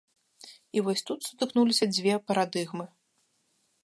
І вось тут сутыкнуліся дзве парадыгмы.